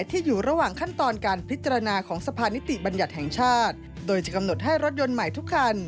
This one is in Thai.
ติดตามจากรายงานค่ะ